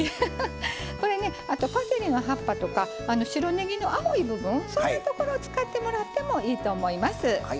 これねあとパセリの葉っぱとか白ねぎの青い部分そんなところを使ってもらってもいいと思います。